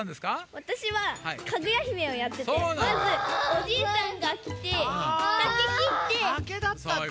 わたしは「かぐやひめ」をやっててまずおじいさんがきて竹きって。